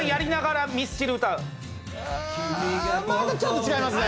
うーんまだちょっと違いますね。